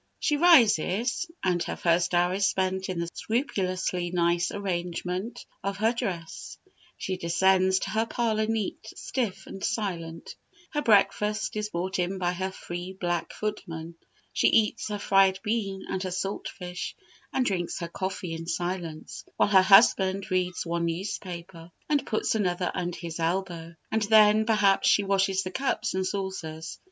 "She rises, and her first hour is spent in the scrupulously nice arrangement of her dress; she descends to her parlour neat, stiff, and silent; her breakfast is brought in by her free black footman; she eats her fried bean and her salt fish, and drinks her coffee in silence, while her husband reads one newspaper, and puts another under his elbow; and then, perhaps, she washes the cups and saucers.